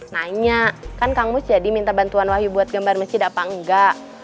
nanya kan kang mus jadi minta bantuan wahyu buat gambar masjid apa enggak